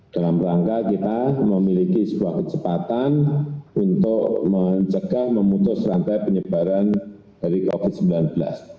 dalam rangka kita memiliki sebuah kecepatan untuk mencegah memutus rantai penyebaran dari covid sembilan belas